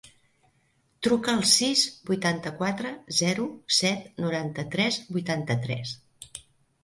Truca al sis, vuitanta-quatre, zero, set, noranta-tres, vuitanta-tres.